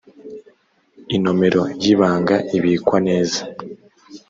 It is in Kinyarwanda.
inomero y ‘ibanga ibikwa neza.